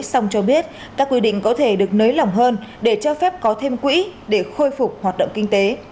song cho biết các quy định có thể được nới lỏng hơn để cho phép có thêm quỹ để khôi phục hoạt động kinh tế